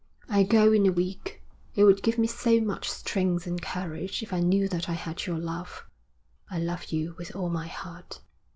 I go in a week. It would give me so much strength and courage if I knew that I had your love. I love you with all my heart.'